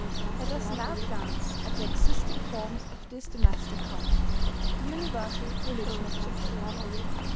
Let us now glance at the existing forms of this domestic cult, the universal religion of Japan.